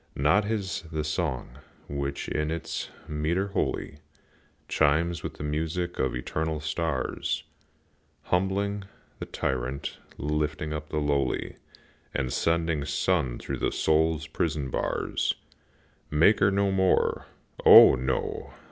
Not his the song, which, in its metre holy, Chimes with the music of the eternal stars, Humbling the tyrant, lifting up the lowly, And sending sun through the soul's prison bars. Maker no more, O, no!